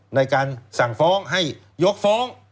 ในการสั่งฟ้องให้ยกฟ้อง